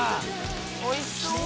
おいしそう。